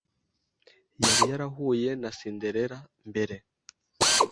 Yari yarahuye na Cinderella mbere